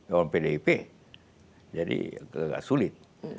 lawan pdip jadi agak sulit